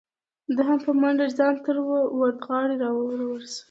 ده هم په منډه ځان تر وردغاړې را ورسو.